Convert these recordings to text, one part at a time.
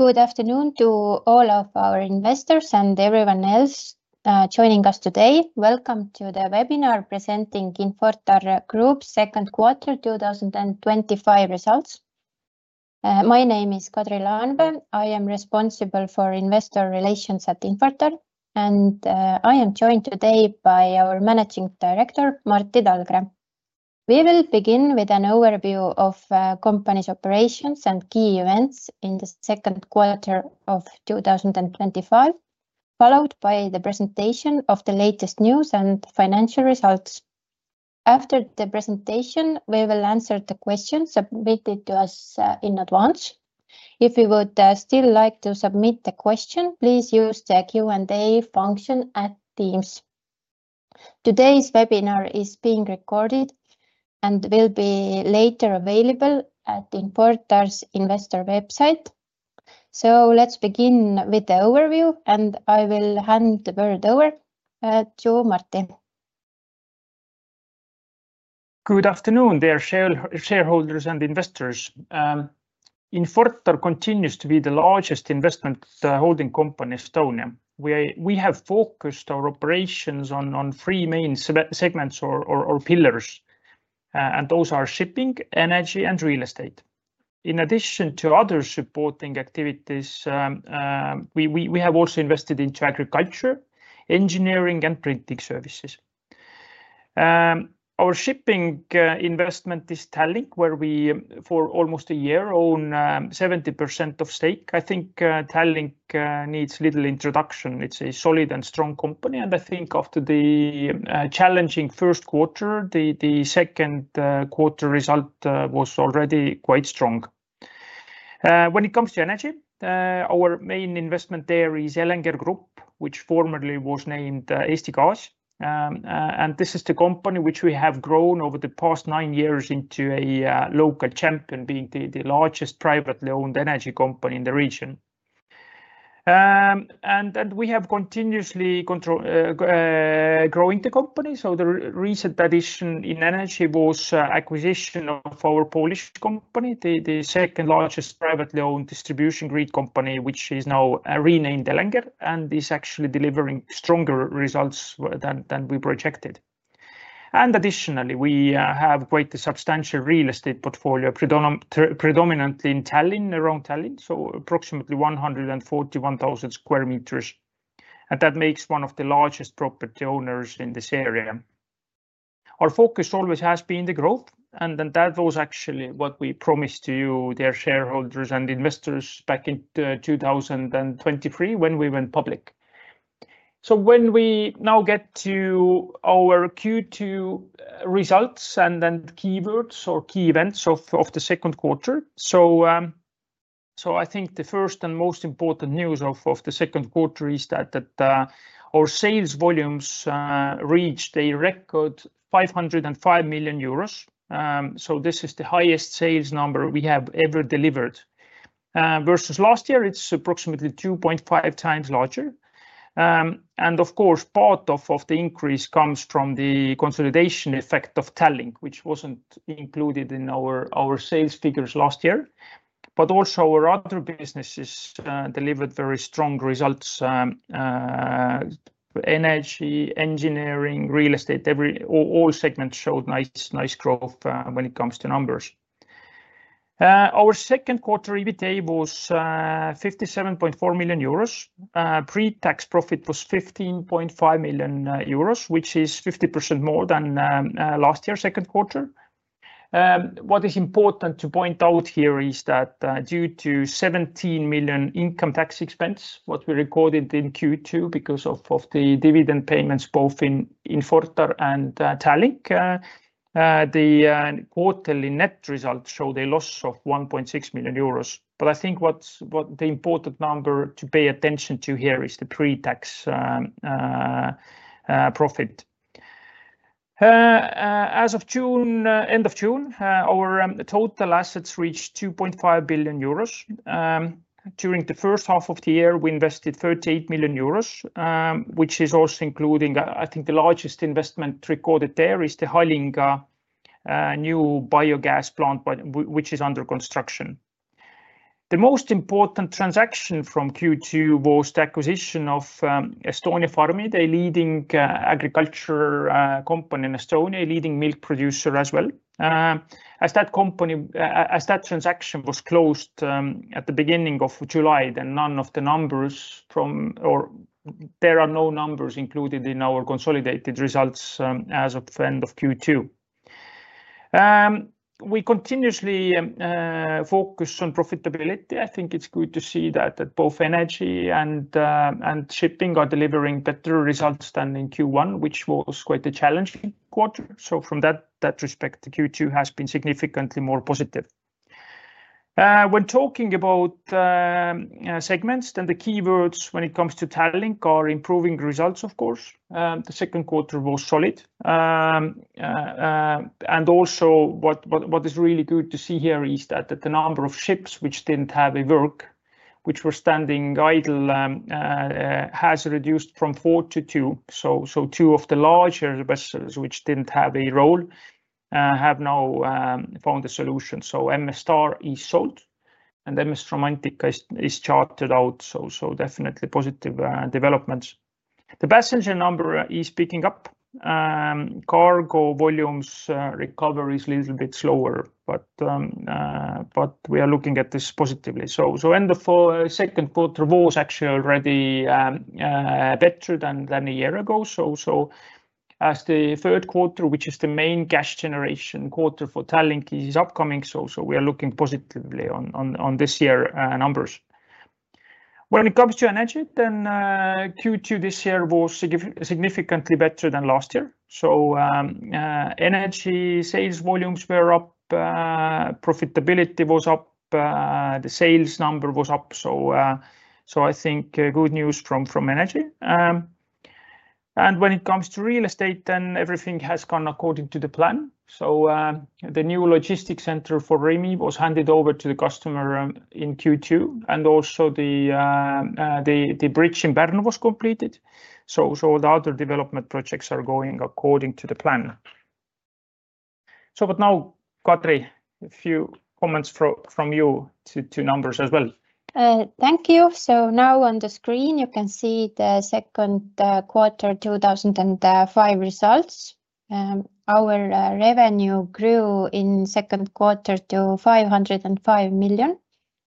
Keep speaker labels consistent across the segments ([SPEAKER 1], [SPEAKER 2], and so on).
[SPEAKER 1] Good afternoon to all of our investors and everyone else joining us today. Welcome to the webinar presenting Infortar Group's second quarter 2025 results. My name is Kadri Laanvee. I am responsible for Investor Relations at Infortar, and I am joined today by our Managing Director, Martti Talgre. We will begin with an overview of the company's operations and key events in the second quarter of 2025, followed by the presentation of the latest news and financial results. After the presentation, we will answer the questions submitted to us in advance. If you would still like to submit a question, please use the Q&A function at Teams. Today's webinar is being recorded and will be later available at Infortar's investor website. Let's begin with the overview, and I will hand the word over to Martti.
[SPEAKER 2] Good afternoon, dear shareholders and investors. Infortar continues to be the largest investment holding company in Estonia. We have focused our operations on three main segments or pillars, and those are shipping, energy, and real estate. In addition to other supporting activities, we have also invested into agriculture, engineering, and printing services. Our shipping investment is Tallink, where we, for almost a year, own 70% of the stake. I think Tallink needs little introduction. It's a solid and strong company, and I think after the challenging first quarter, the second quarter result was already quite strong. When it comes to energy, our main investment there is Elenger Group, which formerly was named Eesti Gaas. This is the company which we have grown over the past nine years into a local champion, being the largest privately owned energy company in the region. We have continuously grown the company. The recent addition in energy was the acquisition of our Polish company, the second largest privately owned distribution grid company, which is now renamed Elenger and is actually delivering stronger results than we projected. Additionally, we have quite a substantial real estate portfolio, predominantly in Tallinn, around Tallinn, so approximately 141,000 sq m. That makes us one of the largest property owners in this area. Our focus always has been the growth, and that was actually what we promised to you, dear shareholders and investors, back in 2023 when we went public. When we now get to our Q2 results and then keywords or key events of the second quarter, I think the first and most important news of the second quarter is that our sales volumes reached a record €505 million. This is the highest sales number we have ever delivered. Versus last year, it's approximately 2.5x larger. Of course, part of the increase comes from the consolidation effect of Tallink, which wasn't included in our sales figures last year. Also, our other businesses delivered very strong results: energy, engineering, real estate, all segments showed nice growth when it comes to numbers. Our second quarter EBITDA was €57.4 million. Pre-tax profit was €15.5 million, which is 50% more than last year's second quarter. What is important to point out here is that due to €17 million income tax expense, what we recorded in Q2 because of the dividend payments both in Infortar and Tallink, the quarterly net results showed a loss of €1.6 million. I think what the important number to pay attention to here is the pre-tax profit. As of the end of June, our total assets reached €2.5 billion. During the first half of the year, we invested €38 million, which is also including, I think, the largest investment recorded there is the Häälinga new biogas plant, which is under construction. The most important transaction from Q2 was the acquisition of Estonia Farmid, the leading agriculture company in Estonia, a leading milk producer as well. As that transaction was closed at the beginning of July, there are no numbers included in our consolidated results as of the end of Q2. We continuously focus on profitability. I think it's good to see that both energy and shipping are delivering better results than in Q1, which was quite a challenging quarter. From that respect, Q2 has been significantly more positive. When talking about segments, the keywords when it comes to Tallink are improving results, of course. The second quarter was solid. What is really good to see here is that the number of ships which didn't have work, which were standing idle, has reduced from four to two. Two of the larger vessels, which didn't have a role, have now found a solution. MSR is sold and MS Romantic is chartered out. Definitely positive developments. The passenger number is picking up. Cargo volumes recovery is a little bit slower, but we are looking at this positively. The end of the second quarter was actually already better than a year ago. As the third quarter, which is the main cash generation quarter for Tallink, is upcoming, we are looking positively on this year's numbers. When it comes to energy, Q2 this year was significantly better than last year. Energy sales volumes were up, profitability was up, the sales number was up. I think good news from energy. When it comes to real estate, everything has gone according to the plan. The new logistics center for Rimi was handed over to the customer in Q2, and also the bridge in Pärnu was completed. All the other development projects are going according to the plan. Now, Kadri, a few comments from you to numbers as well.
[SPEAKER 1] Thank you. Now on the screen, you can see the second quarter 2025 results. Our revenue grew in the second quarter to €505 million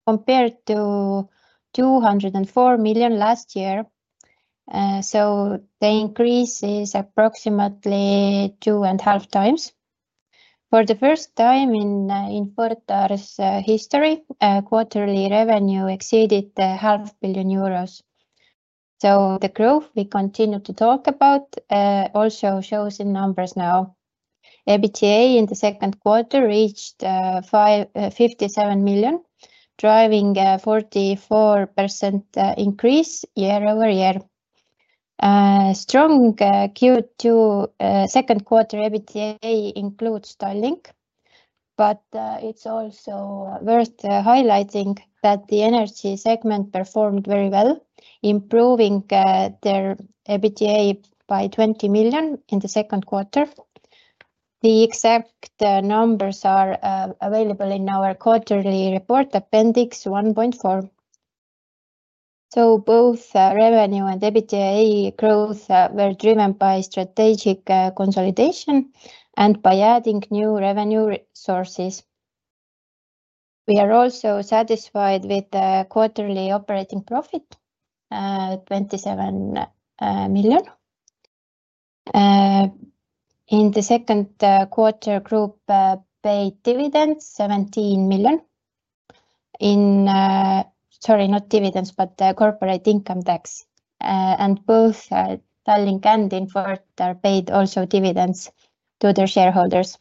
[SPEAKER 1] compared to €204 million last year. The increase is approximately two and a half times. For the first time in Infortar's history, quarterly revenue exceeded the half billion euros. The growth we continue to talk about also shows in numbers now. EBITDA in the second quarter reached €57 million, driving a 44% increase year over year. Strong Q2 EBITDA includes Tallink, but it's also worth highlighting that the energy segment performed very well, improving their EBITDA by €20 million in the second quarter. The exact numbers are available in our quarterly report appendix 1.4. Both revenue and EBITDA growth were driven by strategic consolidation and by adding new revenue sources. We are also satisfied with the quarterly operating profit, at €27 million. In the second quarter, the group paid corporate income tax of €17 million. Both Tallink and Infortar also paid dividends to their shareholders.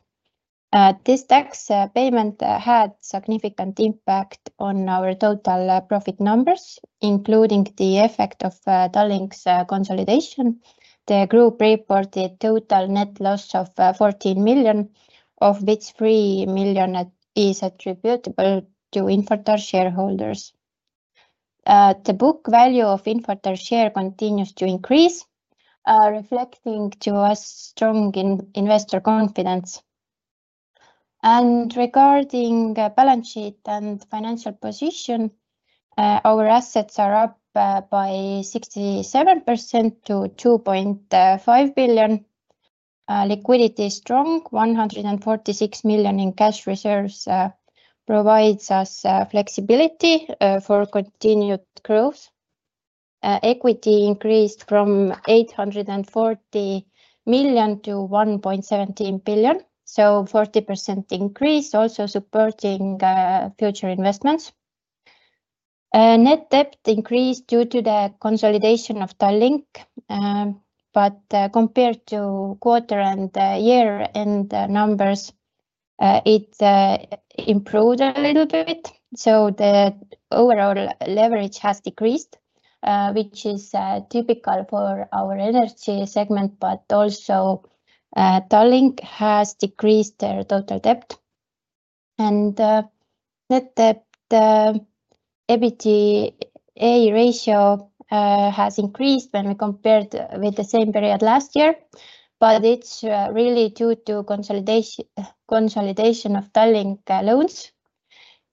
[SPEAKER 1] This tax payment had a significant impact on our total profit numbers, including the effect of Tallink's consolidation. The group reported a total net loss of €14 million, of which €3 million is attributable to Infortar shareholders. The book value of Infortar share continues to increase, reflecting to us strong investor confidence. Regarding the balance sheet and financial position, our assets are up by 67% to €2.5 billion. Liquidity is strong. €146 million in cash reserves provides us flexibility for continued growth. Equity increased from €840 million to €1.17 billion, a 40% increase, also supporting future investments. Net debt increased due to the consolidation of Tallink, but compared to quarter and year-end numbers, it improved a little bit. The overall leverage has decreased, which is typical for our energy segment, and Tallink has decreased their total debt. The EBITDA ratio has increased when we compared with the same period last year, but it's really due to consolidation of Tallink loans.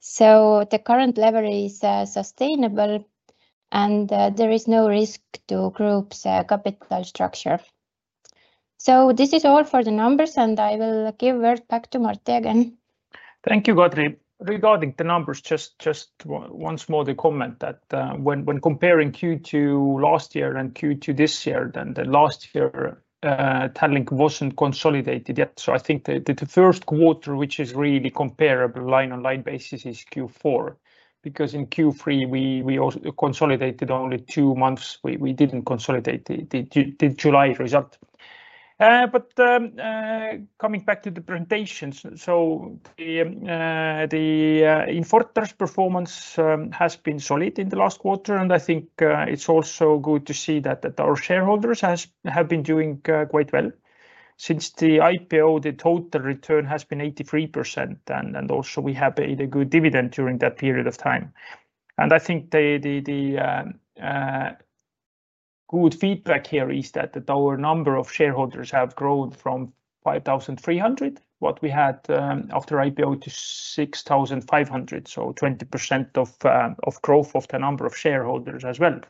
[SPEAKER 1] The current leverage is sustainable, and there is no risk to the group's capital structure. This is all for the numbers, and I will give word back to Martti again.
[SPEAKER 2] Thank you, Kadri. Regarding the numbers, just one small comment that when comparing Q2 last year and Q2 this year, then last year, Tallink wasn't consolidated yet. I think that the first quarter, which is really comparable line-on-line basis, is Q4. In Q3, we consolidated only two months. We didn't consolidate the July result. Coming back to the presentations, the Infortar's performance has been solid in the last quarter, and I think it's also good to see that our shareholders have been doing quite well. Since the IPO, the total return has been 83%, and also we have paid a good dividend during that period of time. I think the good feedback here is that our number of shareholders has grown from 5,300 what we had after IPO to 6,500, so 20% of growth of the number of shareholders as well.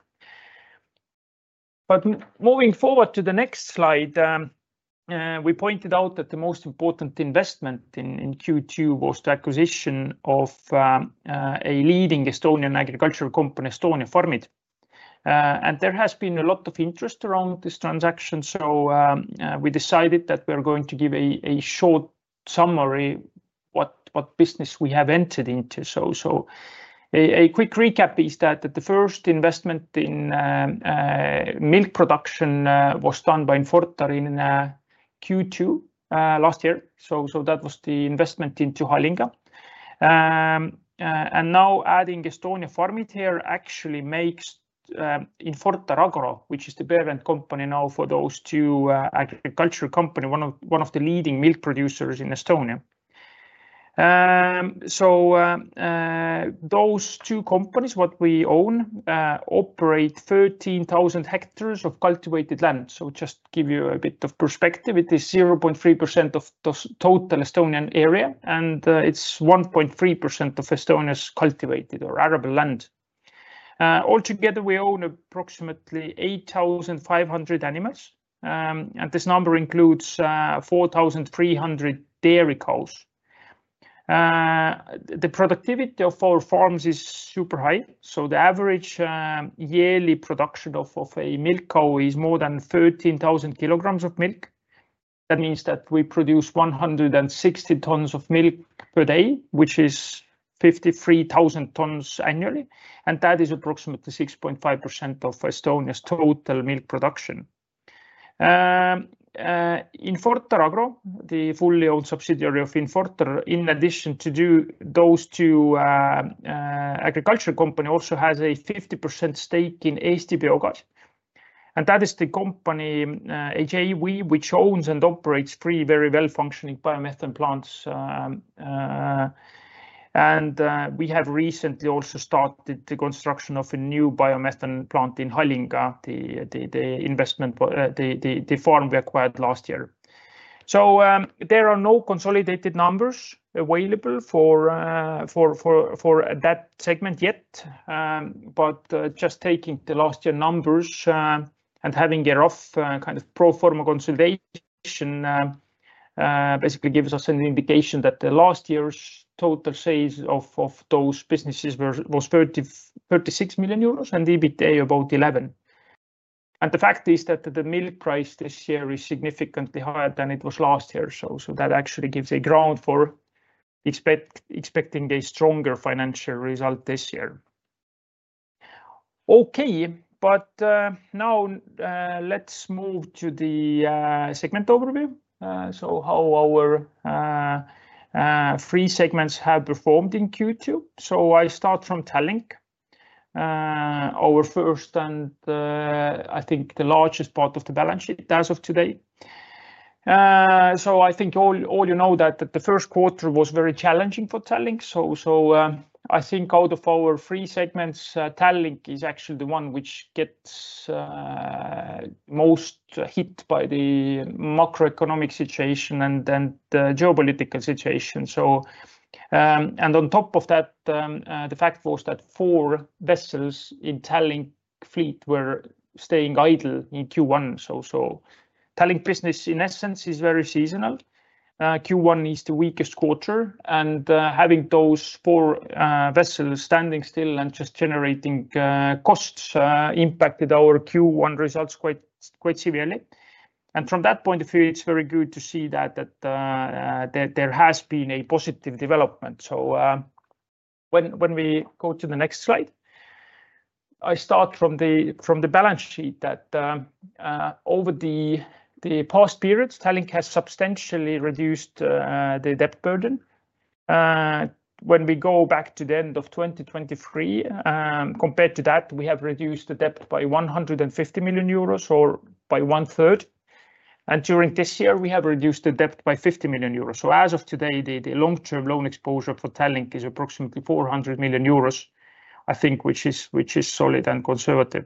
[SPEAKER 2] Moving forward to the next slide, we pointed out that the most important investment in Q2 was the acquisition of a leading Estonian agricultural company, Estonia Farmid. There has been a lot of interest around this transaction, so we decided that we're going to give a short summary of what business we have entered into. A quick recap is that the first investment in milk production was done by Infortar in Q2 last year. That was the investment into Häälinga. Now adding Estonia Farmid here actually makes Infortar Agro, which is the parent company now for those two agricultural companies, one of the leading milk producers in Estonia. Those two companies, what we own, operate 13,000 hectares of cultivated land. Just to give you a bit of perspective, it is 0.3% of the total Estonian area, and it's 1.3% of Estonia's cultivated or arable land. Altogether, we own approximately 8,500 animals, and this number includes 4,300 dairy cows. The productivity of our farms is super high. The average yearly production of a milk cow is more than 13,000 kilograms of milk. That means that we produce 160 tons of milk per day, which is 53,000 tons annually, and that is approximately 6.5% of Estonia's total milk production. Infortar Agro, the fully owned subsidiary of Infortar, in addition to those two agricultural companies, also has a 50% stake in Eesti Biogas. That is the company, AJEWI, which owns and operates three very well-functioning biomethane plants. We have recently also started the construction of a new biomethane plant in Häälinga, the farm we acquired last year. There are no consolidated numbers available for that segment yet. Just taking last year's numbers and having a rough kind of pro forma consolidation basically gives us an indication that last year's total sales of those businesses was €36 million and EBITDA about €11 million. The fact is that the milk price this year is significantly higher than it was last year, so that actually gives a ground for expecting a stronger financial result this year. Now let's move to the segment overview. How our three segments have performed in Q2. I start from Tallink, our first and I think the largest part of the balance sheet as of today. I think all you know that the first quarter was very challenging for Tallink. Out of our three segments, Tallink is actually the one which gets most hit by the macroeconomic situation and the geopolitical situation. On top of that, the fact was that four vessels in Tallink's fleet were staying idle in Q1. Tallink's business, in essence, is very seasonal. Q1 is the weakest quarter, and having those four vessels standing still and just generating costs impacted our Q1 results quite severely. From that point of view, it's very good to see that there has been a positive development. When we go to the next slide, I start from the balance sheet that over the past period, Tallink has substantially reduced the debt burden. When we go back to the end of 2023, compared to that, we have reduced the debt by €150 million or by 1/3. During this year, we have reduced the debt by €50 million. As of today, the long-term loan exposure for Tallink is approximately €400 million, which is solid and conservative.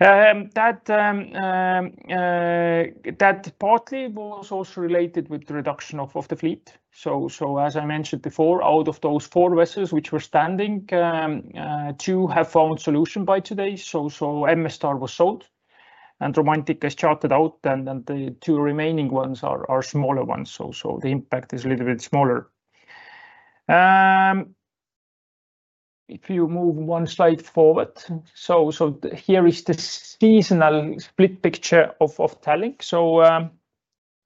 [SPEAKER 2] That partly was also related with the reduction of the fleet. As I mentioned before, out of those four vessels which were standing, two have found solution by today. MSR was sold and Romantic is chartered out, and the two remaining ones are smaller ones, so the impact is a little bit smaller. If you move one slide forward, here is the seasonal split picture of Tallink.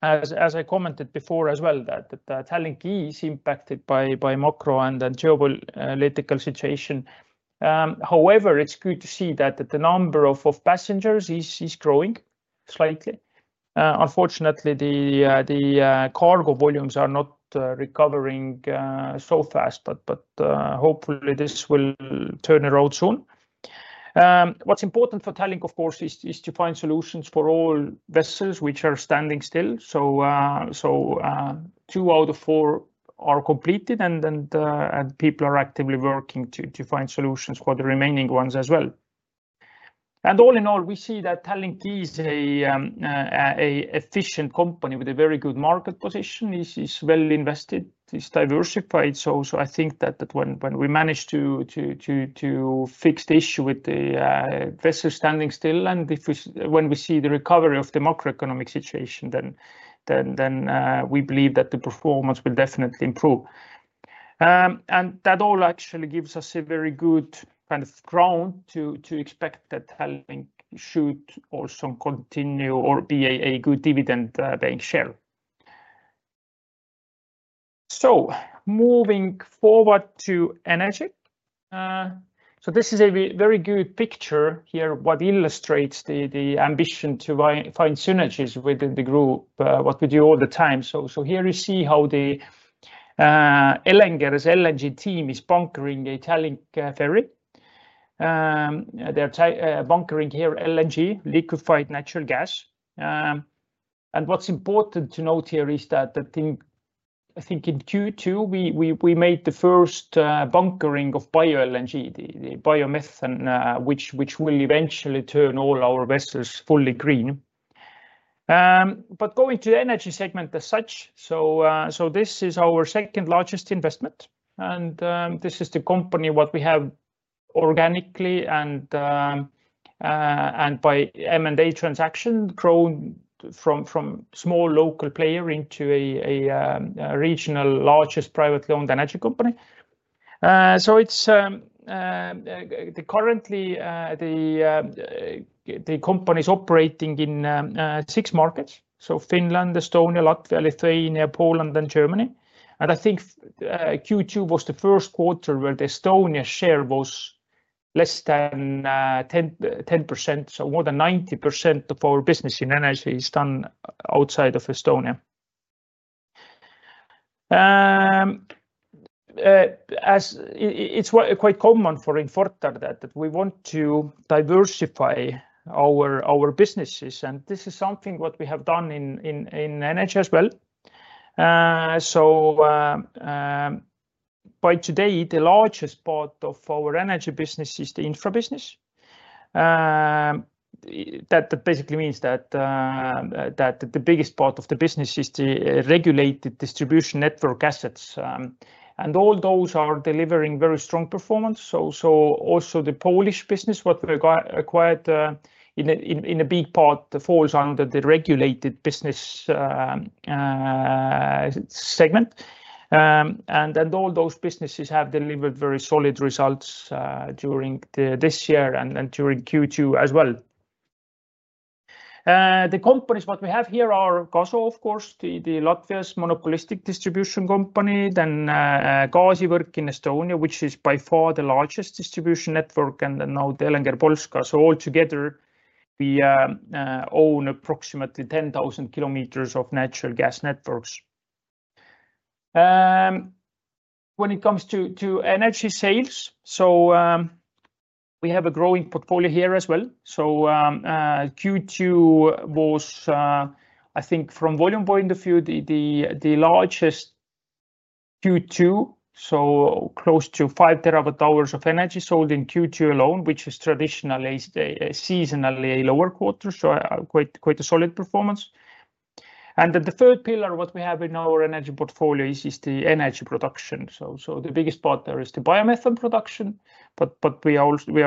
[SPEAKER 2] As I commented before as well, Tallink is impacted by macro and geopolitical situation. However, it's good to see that the number of passengers is growing slightly. Unfortunately, the cargo volumes are not recovering so fast, but hopefully this will turn around soon. What's important for Tallink, of course, is to find solutions for all vessels which are standing still. Two out of four are completed, and people are actively working to find solutions for the remaining ones as well. All in all, we see that Tallink is an efficient company with a very good market position. It's well invested. It's diversified. I think that when we manage to fix the issue with the vessels standing still, and when we see the recovery of the macroeconomic situation, we believe that the performance will definitely improve. That all actually gives us a very good kind of ground to expect that Tallink should also continue or be a good dividend paying share. Moving forward to energy, this is a very good picture here of what illustrates the ambition to find synergies within the group, what we do all the time. Here you see how the Elenger's LNG team is bunkering a Tallink ferry. They're bunkering here LNG, liquefied natural gas. What's important to note here is that I think in Q2, we made the first bunkering of bio-LNG, the biomethane, which will eventually turn all our vessels fully green. Going to the energy segment as such, this is our second largest investment. This is the company what we have organically and by M&A transaction grown from a small local player into a regional largest private loan energy company. Currently, the company is operating in six markets: Finland, Estonia, Latvia, Lithuania, Poland, and Germany. I think Q2 was the first quarter where the Estonian share was less than 10%. More than 90% of our business in energy is done outside of Estonia. It's quite common for Infortar that we want to diversify our businesses, and this is something what we have done in energy as well. By today, the largest part of our energy business is the infra business. That basically means that the biggest part of the business is the regulated distribution network assets, and all those are delivering very strong performance. The Polish business, what we acquired in a big part, falls under the regulated business segment. All those businesses have delivered very solid results during this year and during Q2 as well. The companies what we have here are Gaso, of course, the Latvia's monopolistic distribution company, then Gasiverk in Estonia, which is by far the largest distribution network, and then now the Elenger Polska. Altogether, we own approximately 10,000 km of natural gas networks. When it comes to energy sales, we have a growing portfolio here as well. Q2 was, I think, from a volume point of view, the largest Q2. Close to five terawatt hours of energy sold in Q2 alone, which is traditionally a seasonally lower quarter. Quite a solid performance. The third pillar we have in our energy portfolio is the energy production. The biggest part there is the biomethane production. We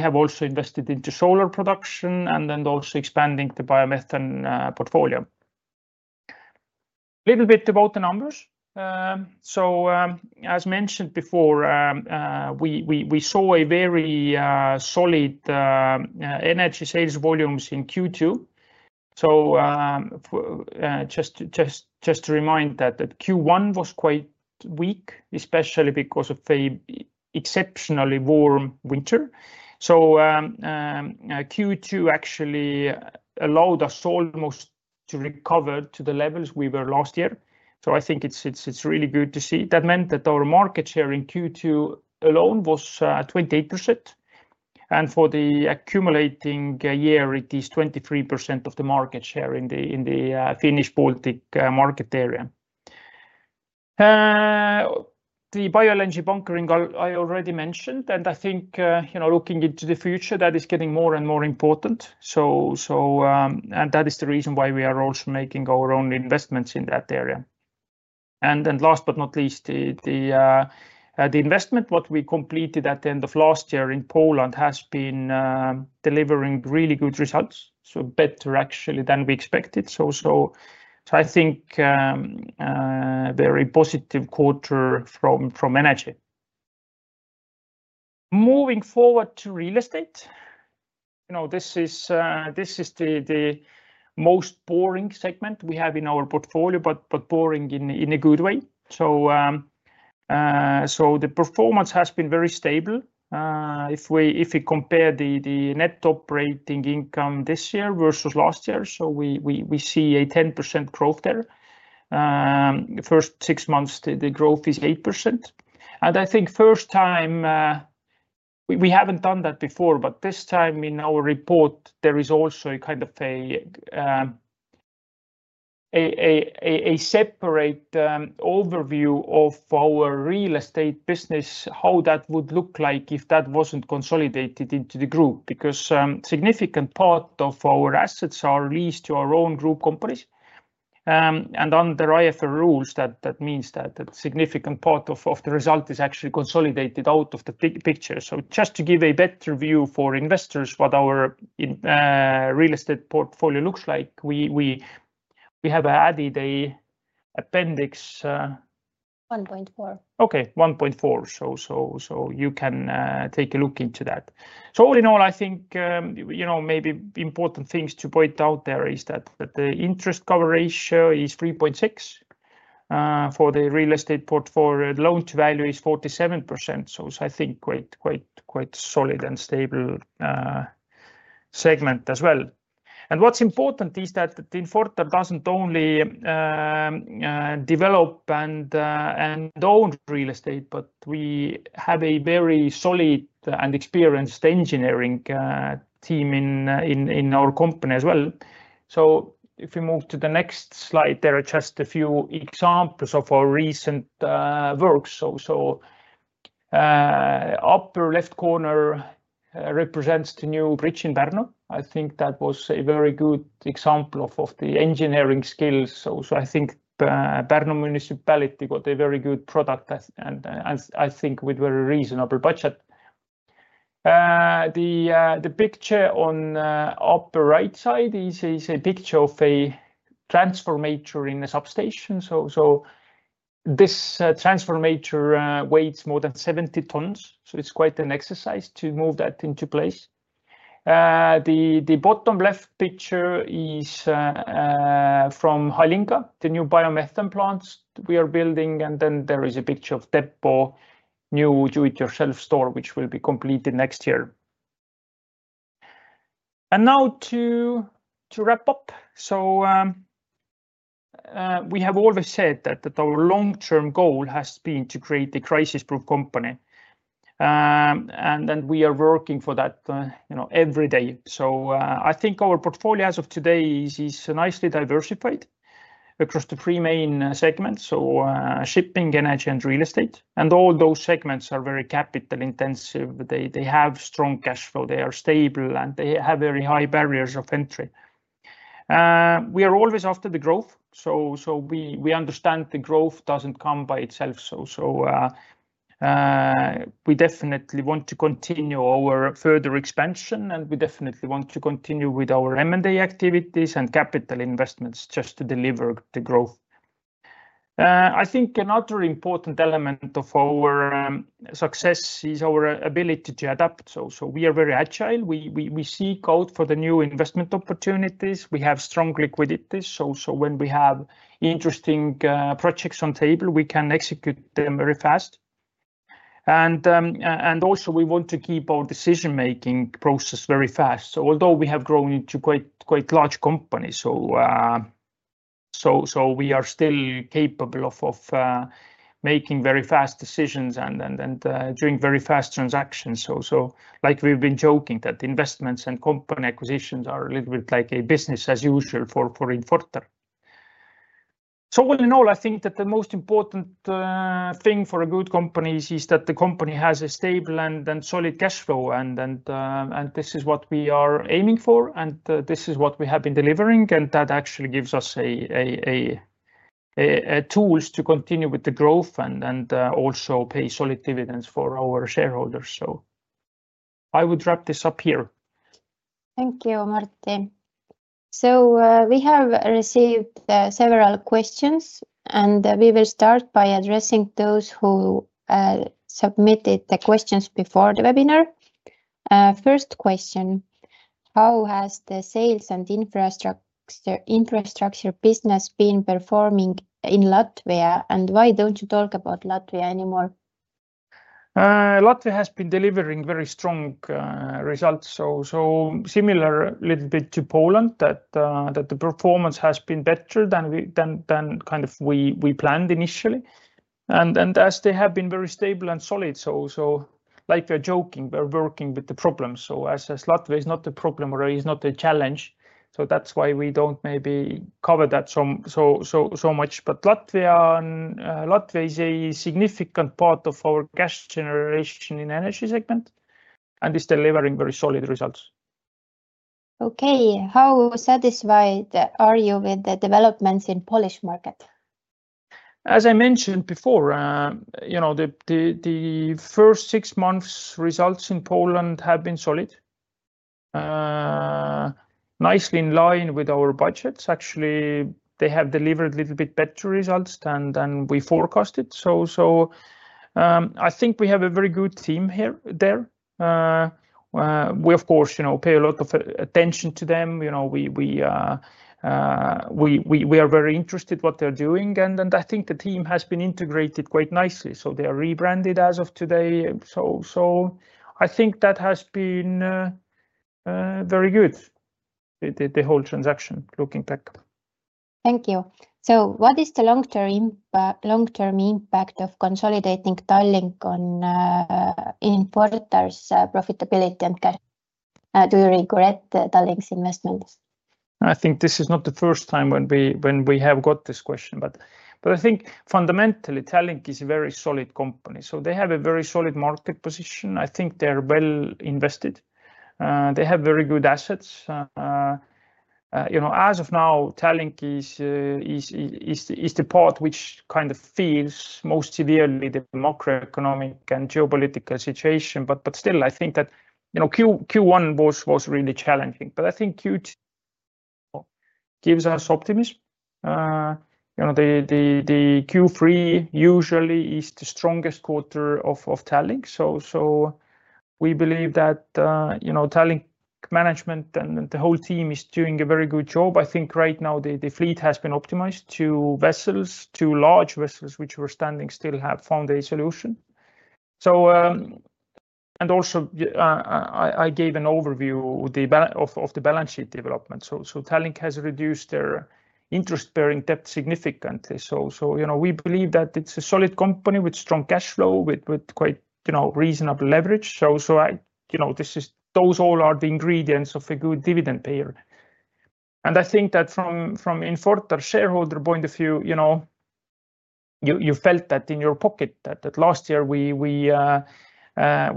[SPEAKER 2] have also invested into solar production and are also expanding the biomethane portfolio. A little bit about the numbers. As mentioned before, we saw very solid energy sales volumes in Q2. Just to remind that Q1 was quite weak, especially because of an exceptionally warm winter. Q2 actually allowed us almost to recover to the levels we were last year. I think it's really good to see. That meant that our market share in Q2 alone was 28%. For the accumulating year, it is 23% of the market share in the Finnish Baltic market area. The bio-LNG bunkering I already mentioned. Looking into the future, that is getting more and more important. That is the reason why we are also making our own investments in that area. Last but not least, the investment we completed at the end of last year in Poland has been delivering really good results, better actually than we expected. I think a very positive quarter from energy. Moving forward to real estate. This is the most boring segment we have in our portfolio, but boring in a good way. The performance has been very stable. If we compare the net operating income this year versus last year, we see a 10% growth there. The first six months, the growth is 8%. I think the first time, we haven't done that before, but this time in our report, there is also a kind of a separate overview of our real estate business, how that would look like if that wasn't consolidated into the group. A significant part of our assets are leased to our own group companies. Under IFR rules, that means that a significant part of the result is actually consolidated out of the picture. Just to give a better view for investors what our real estate portfolio looks like, we have added an appendix.
[SPEAKER 1] 1.4.
[SPEAKER 2] Okay, 1.4. You can take a look into that. All in all, I think, you know, maybe important things to point out there is that the interest coverage is 3.6 for the real estate portfolio. The loan-to-value is 47%. I think quite solid and stable segment as well. What's important is that Infortar doesn't only develop and own real estate, but we have a very solid and experienced engineering team in our company as well. If we move to the next slide, there are just a few examples of our recent work. The upper left corner represents the new bridge in Pärnu. I think that was a very good example of the engineering skills. I think Pärnu municipality got a very good product, and I think with a very reasonable budget. The picture on the upper right side is a picture of a transformer in a substation. This transformer weighs more than 70 tons. It's quite an exercise to move that into place. The bottom left picture is from Häälinga, the new biomethane plants we are building. Then there is a picture of Deppo, a new do-it-yourself store, which will be completed next year. Now to wrap up. We have always said that our long-term goal has been to create a crisis-proof company, and we are working for that every day. I think our portfolio as of today is nicely diversified across the three main segments: shipping, energy, and real estate. All those segments are very capital-intensive. They have strong cash flow. They are stable, and they have very high barriers of entry. We are always after the growth. We understand the growth doesn't come by itself. We definitely want to continue our further expansion, and we definitely want to continue with our M&A activities and capital investments just to deliver the growth. I think another important element of our success is our ability to adapt. We are very agile. We seek out for the new investment opportunities. We have strong liquidity. When we have interesting projects on the table, we can execute them very fast. Also, we want to keep our decision-making process very fast. Although we have grown into quite large companies, we are still capable of making very fast decisions and doing very fast transactions. Like we've been joking that investments and company acquisitions are a little bit like a business as usual for Infortar. All in all, I think that the most important thing for a good company is that the company has a stable and solid cash flow. This is what we are aiming for, and this is what we have been delivering. That actually gives us tools to continue with the growth and also pay solid dividends for our shareholders. I would wrap this up here.
[SPEAKER 1] Thank you, Martti. We have received several questions, and we will start by addressing those who submitted the questions before the webinar. First question, how has the sales and infrastructure business been performing in Latvia, and why don't you talk about Latvia anymore?
[SPEAKER 2] Latvia has been delivering very strong results. Similar, a little bit to Poland, the performance has been better than kind of we planned initially. They have been very stable and solid. Like we are joking, we're working with the problems. As Latvia is not a problem or is not a challenge, that's why we don't maybe cover that so much. Latvia is a significant part of our cash generation in the energy segment and is delivering very solid results.
[SPEAKER 1] Okay, how satisfied are you with the developments in the Polish market?
[SPEAKER 2] As I mentioned before, the first six months' results in Poland have been solid, nicely in line with our budgets. Actually, they have delivered a little bit better results than we forecasted. I think we have a very good team there. We, of course, pay a lot of attention to them. We are very interested in what they're doing. I think the team has been integrated quite nicely. They are rebranded as of today. I think that has been very good, the whole transaction, looking back.
[SPEAKER 1] Thank you. What is the long-term impact of consolidating Tallink on Infortar's profitability? Do you regret Tallink's investments?
[SPEAKER 2] I think this is not the first time when we have got this question. I think fundamentally, Tallink is a very solid company. They have a very solid market position. I think they're well invested. They have very good assets. As of now, Tallink is the part which kind of feels most severely the macroeconomic and geopolitical situation. I think that Q1 was really challenging. I think Q2 gives us optimism. Q3 usually is the strongest quarter of Tallink. We believe that Tallink management and the whole team is doing a very good job. I think right now the fleet has been optimized to vessels, two large vessels which were standing still have found a solution. I gave an overview of the balance sheet development. Tallink has reduced their interest-bearing debt significantly. We believe that it's a solid company with strong cash flow, with quite reasonable leverage. Those all are the ingredients of a good dividend payer. I think that from Infortar's shareholder point of view, you felt that in your pocket that last year we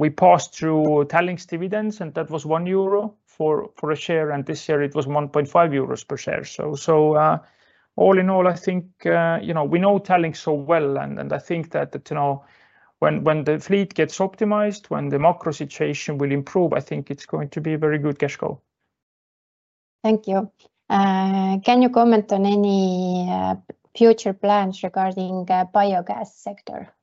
[SPEAKER 2] passed through Tallink's dividends, and that was €1 per share. This year, it was €1.5 per share. All in all, I think we know Tallink so well. I think that when the fleet gets optimized, when the macro situation will improve, I think it's going to be a very good cash flow.
[SPEAKER 1] Thank you. Can you comment on any future plans regarding the biogas sector?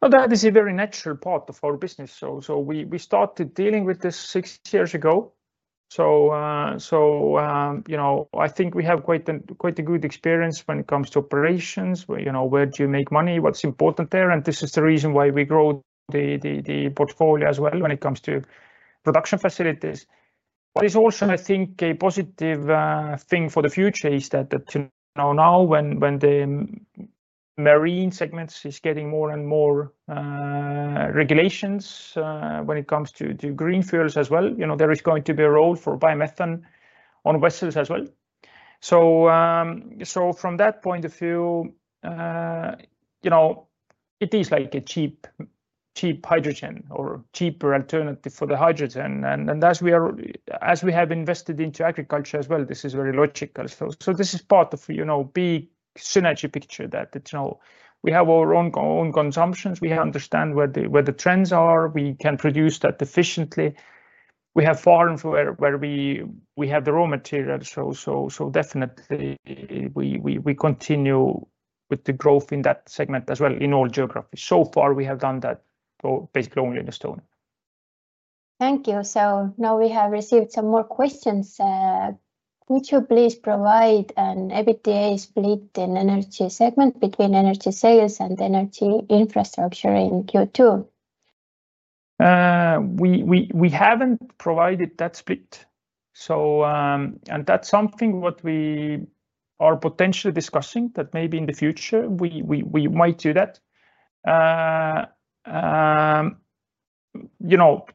[SPEAKER 2] That is a very natural part of our business. We started dealing with this six years ago, so I think we have quite a good experience when it comes to operations. Where do you make money? What's important there? This is the reason why we grow the portfolio as well when it comes to production facilities. I think a positive thing for the future is that now, when the marine segment is getting more and more regulations when it comes to green fuels as well, there is going to be a role for biomethane on vessels as well. From that point of view, it is like a cheap hydrogen or cheaper alternative for the hydrogen. As we have invested into agriculture as well, this is very logical. This is part of a big synergy picture that we have our own consumptions. We understand where the trends are. We can produce that efficiently. We have farms where we have the raw materials. Definitely, we continue with the growth in that segment as well in all geographies. So far, we have done that basically only in Estonia.
[SPEAKER 1] Thank you. Now we have received some more questions. Could you please provide an EBITDA split in the energy segment between energy sales and energy infrastructure in Q2?
[SPEAKER 2] We haven't provided that split. That's something we are potentially discussing, that maybe in the future we might do that.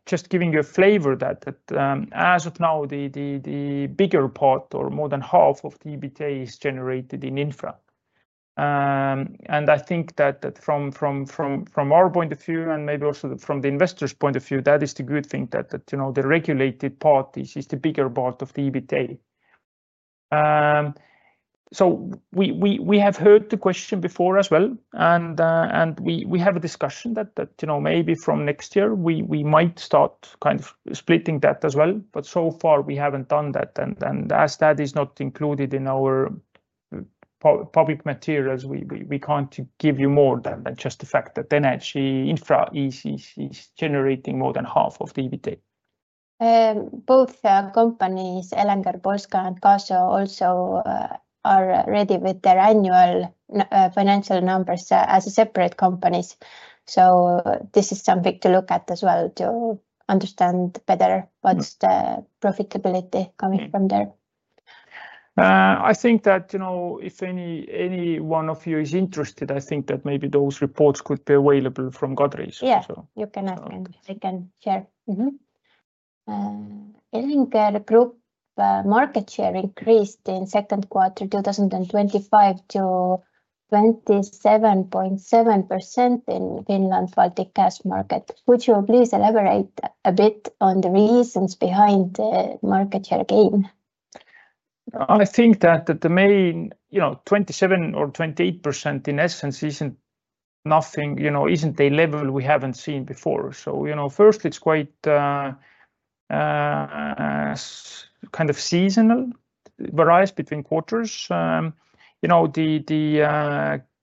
[SPEAKER 2] Just giving you a flavor that as of now, the bigger part or more than half of the EBITDA is generated in infra. I think that from our point of view and maybe also from the investors' point of view, that is the good thing, that the regulated part is the bigger part of the EBITDA. We have heard the question before as well. We have a discussion that maybe from next year, we might start kind of splitting that as well. So far, we haven't done that. As that is not included in our public materials, we can't give you more than just the fact that energy infra is generating more than half of the EBITDA.
[SPEAKER 1] Both companies, Elenger Polska and Gaso, also are ready with their annual financial numbers as separate companies. This is something to look at as well to understand better what's the profitability coming from there.
[SPEAKER 2] I think that if any one of you is interested, I think that maybe those reports could be available from Goderich.
[SPEAKER 1] Yeah, you can ask and they can share. Elenger Group market share increased in the second quarter 2025 to 27.7% in Finland's Baltic gas market. Could you please elaborate a bit on the reasons behind the market share gain?
[SPEAKER 2] I think that the main 27% or 28% in essence isn't nothing, isn't a level we haven't seen before. First, it's quite kind of seasonal variety between quarters. The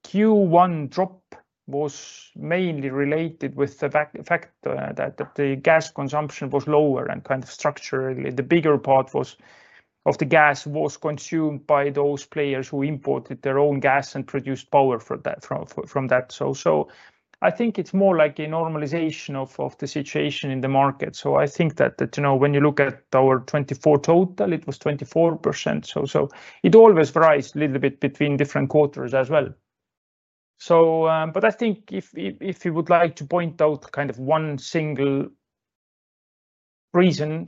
[SPEAKER 2] Q1 drop was mainly related with the fact that the gas consumption was lower and kind of structurally, the bigger part of the gas was consumed by those players who imported their own gas and produced power from that. I think it's more like a normalization of the situation in the market. When you look at our 24 total, it was 24%. It always varies a little bit between different quarters as well. If you would like to point out kind of one single reason,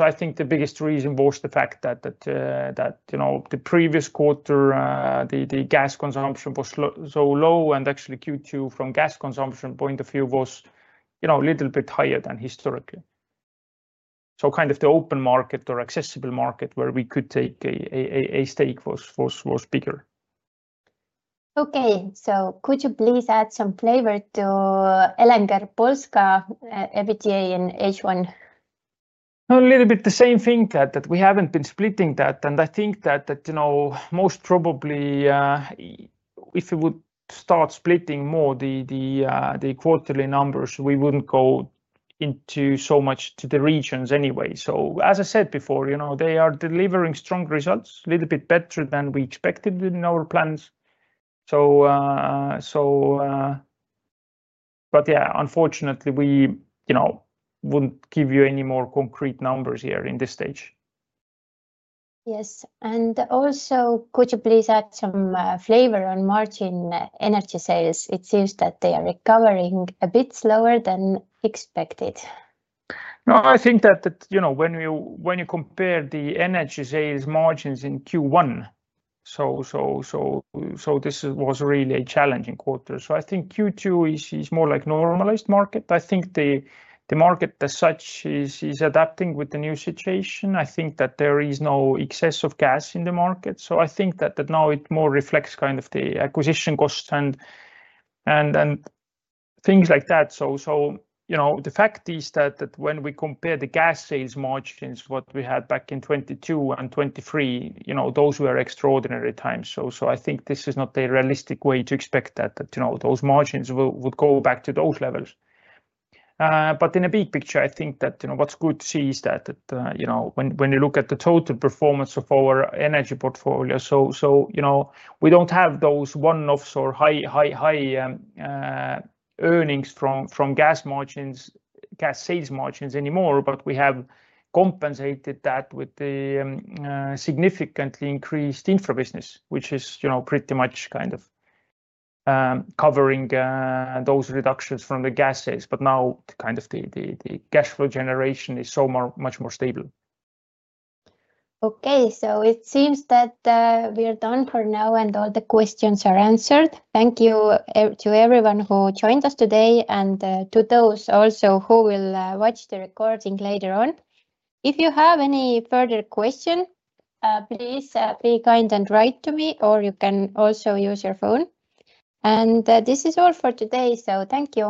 [SPEAKER 2] I think the biggest reason was the fact that the previous quarter, the gas consumption was so low and actually Q2 from a gas consumption point of view was a little bit higher than historically. The open market or accessible market where we could take a stake was bigger.
[SPEAKER 1] Could you please add some flavor to Elenger Polska EBITDA and H1?
[SPEAKER 2] a little bit the same thing that we haven't been splitting that. I think that most probably, if we would start splitting more the quarterly numbers, we wouldn't go into so much to the regions anyway. As I said before, you know they are delivering strong results, a little bit better than we expected in our plans. Unfortunately, we wouldn't give you any more concrete numbers here in this stage.
[SPEAKER 1] Yes, could you please add some flavor on margin energy sales? It seems that they are recovering a bit slower than expected.
[SPEAKER 2] No, I think that, you know, when you compare the energy sales margins in Q1, this was really a challenging quarter. I think Q2 is more like a normalized market. I think the market as such is adapting with the new situation. I think that there is no excess of gas in the market. I think that now it more reflects kind of the acquisition costs and things like that. The fact is that when we compare the gas sales margins, what we had back in 2022 and 2023, those were extraordinary times. I think this is not a realistic way to expect that those margins would go back to those levels. In a big picture, I think that what's good to see is that when you look at the total performance of our energy portfolio, we don't have those one-offs or high, high, high earnings from gas margins, gas sales margins anymore, but we have compensated that with the significantly increased infra business, which is pretty much kind of covering those reductions from the gas sales. Now kind of the cash flow generation is so much more stable.
[SPEAKER 1] Okay. It seems that we are done for now and all the questions are answered. Thank you to everyone who joined us today and to those also who will watch the recording later on. If you have any further questions, please be kind and write to me or you can also use your phone. This is all for today. Thank you.